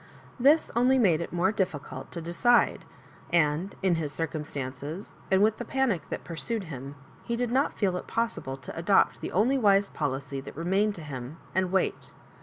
This only made it the more difficult to de cide; and in "his circumstances, and with the panic that pursued him, he did not feel it possi ble to adopt the only wise policy that remained to him, and wait.